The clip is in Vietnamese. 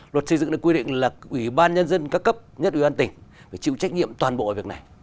luật xây dựng được quy định là ủy ban nhân dân các cấp nhất ủy ban tỉnh phải chịu trách nhiệm toàn bộ ở việc này